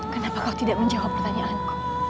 kenapa kau tidak menjawab pertanyaanku